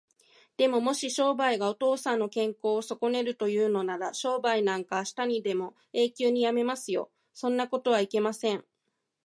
でも、もし商売がお父さんの健康をそこねるというのなら、商売なんかあしたにでも永久にやめますよ。そんなことはいけません。